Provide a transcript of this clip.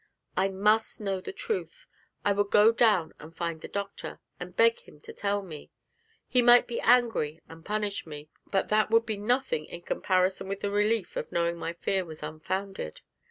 I must know the truth. I would go down and find the Doctor, and beg him to tell me; he might be angry and punish me but that would be nothing in comparison with the relief of knowing my fear was unfounded.